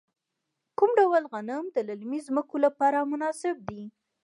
کوم ډول غنم د للمي ځمکو لپاره مناسب دي؟